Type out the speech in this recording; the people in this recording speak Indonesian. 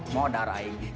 mau darah ini